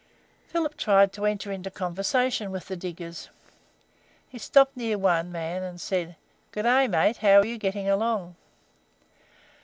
Philip tried to enter into conversation with the diggers. He stopped near one man, and said: "Good day, mate. How are you getting along?"